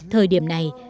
thời điểm này